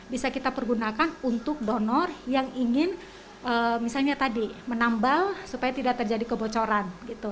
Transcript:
bisa kita pergunakan untuk donor yang ingin misalnya tadi menambal supaya tidak terjadi kebocoran